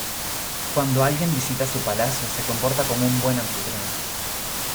Cuando alguien visita su palacio se comporta como un buen anfitrión.